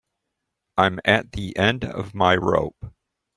I'm at the end of my rope.